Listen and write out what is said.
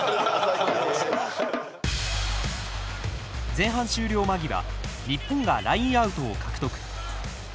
前半終了間際日本がラインアウトを獲得。